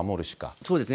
そうですね。